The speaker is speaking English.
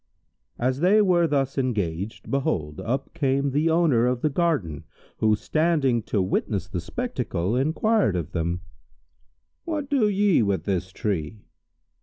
As they were thus engaged, behold, up came the owner of the garden who, standing to witness the spectacle, enquired of them, "What do ye with this tree?"